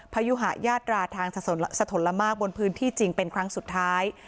พยุหายาตราทางสะทนละมากบนพื้นที่จริงเป็นครั้งสุดท้าย